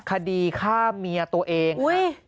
คดีฆ่าเมียตัวเอง